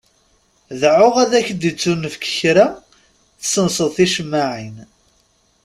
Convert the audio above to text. Dεu ad k-d-ittunefk kra tessenseḍ ticemmaεin.